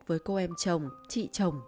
với cô em chồng chị chồng